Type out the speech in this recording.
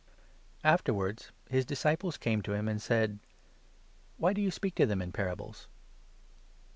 Afterwards his disciples came to him, and said : 10 " Wny do you speak to them in parables